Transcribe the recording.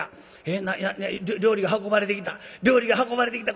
えっ料理が運ばれてきた料理が運ばれてきた！